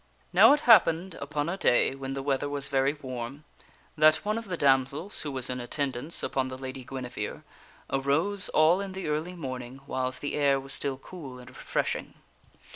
Now it happened upon a day when the weather was very warm, that one of the damsels who was in attendance upon the Lady Guinevere, arose all in the early morning whiles the air was still cool and refreshing.